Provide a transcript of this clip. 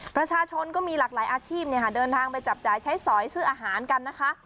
ประชาชนก็มีหลากหลายอาชีพเดินทางไปจับจ่ายใช้สอยซื้ออาหารกันนะคะ